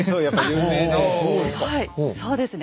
そうですね。